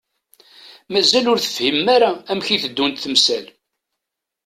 Mazal ur tefhimem ara amek i teddunt temsal.